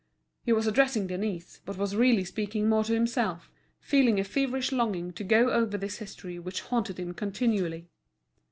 He was addressing Denise, but was really speaking more to himself, feeling a feverish longing to go over this history which haunted him continually.